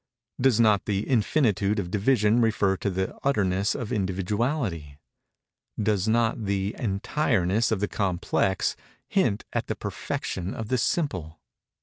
Does not the infinitude of division refer to the utterness of individuality? Does not the entireness of the complex hint at the perfection of the simple?